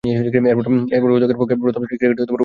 এরপর, ওতাগোর পক্ষে প্রথম-শ্রেণীর ক্রিকেটে অভিষেক ঘটে তার।